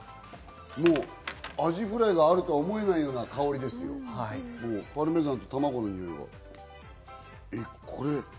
アジフライがあるとは思えないような香りですよ、パルメザンと卵のにおい。